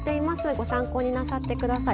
ご参考になさって下さい。